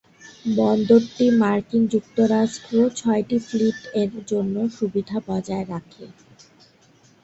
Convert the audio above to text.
বন্দরটি মার্কিন যুক্তরাষ্ট্র ছয়টি ফ্লিট-এর জন্য সুবিধা বজায় রাখে।